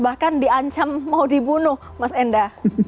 bahkan diancam mau dibunuh mas enda